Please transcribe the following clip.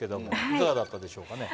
いかがだったでしょうかね？